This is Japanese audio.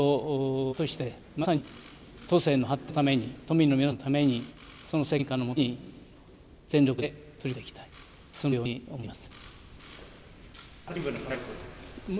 自民党としてまさに都政への発展のために、都民の皆さんのために、その責任感のもとに全力で取り組んでいきたい、そのように思います。